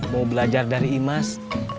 mau belajar dari imas